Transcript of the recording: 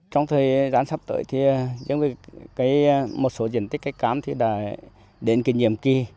trong thời gian sắp tới thì một số diện tích cây cắm thì đã đến cái nhiệm kỳ